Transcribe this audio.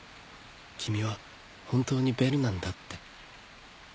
君は本当にベルなんだって。